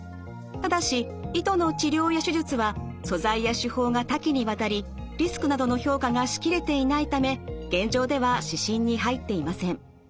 ただし糸の治療や手術は素材や手法が多岐にわたりリスクなどの評価がしきれていないため現状では指針に入っていません。